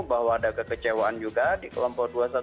bahwa ada kekecewaan juga di kelompok dua ratus dua belas